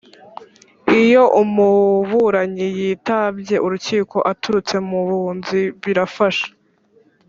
Iyo umuburanyi yitabye urukiko aturutse mu bunzi birafasha